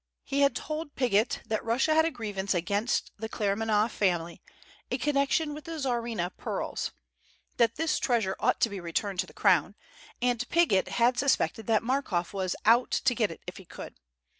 He had told Piggott that Russia had a grievance against the Claremanagh family in connection with the Tsarina pearls; that this treasure ought to be returned to the Crown; and Piggott had suspected that Markoff was "out" to get it if he could.